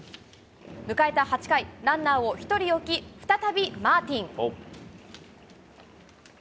迎えた８回、ランナーを１人置き、再びマーティン。